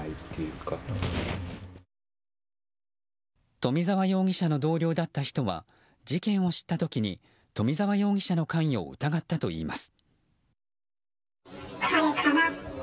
冨澤容疑者の同僚だった人は事件を知った時に冨澤容疑者の関与を疑ったといいます。